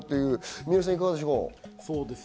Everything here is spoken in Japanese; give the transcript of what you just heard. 三浦さん、いかがでしょう？